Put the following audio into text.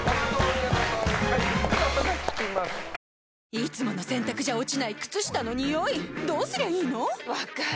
いつもの洗たくじゃ落ちない靴下のニオイどうすりゃいいの⁉分かる。